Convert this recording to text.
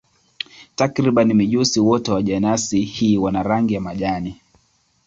Takriban mijusi wote wa jenasi hii wana rangi ya majani.